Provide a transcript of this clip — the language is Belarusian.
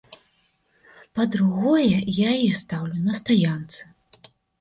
Па-другое, я яе стаўлю на стаянцы.